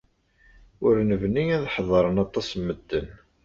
Ur nebni ad ḥedṛen aṭas n medden.